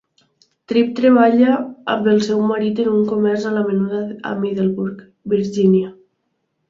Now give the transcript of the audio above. Tripp treballa amb el seu marit en un comerç a la menuda a Middleburg, Virginia.